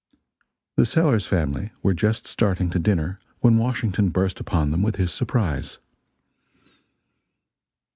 The Sellers family were just starting to dinner when Washington burst upon them with his surprise.